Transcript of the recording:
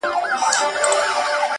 اې گوره تاته وايم.